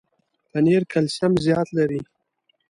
پنېر کلسیم زیات لري.